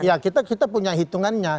ya kita punya hitungannya